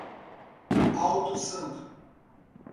Alto Santo